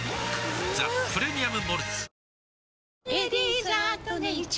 「ザ・プレミアム・モルツ」